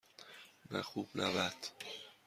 نه خوب - نه بد.